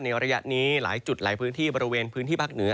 ระยะนี้หลายจุดหลายพื้นที่บริเวณพื้นที่ภาคเหนือ